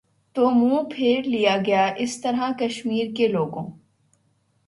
تو منہ پھیر لیا گیا اس طرح کشمیر کے لوگوں